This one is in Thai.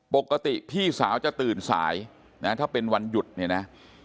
ปกติพี่สาวจะตื่นสายนะถ้าเป็นวันหยุดเนี่ยนะ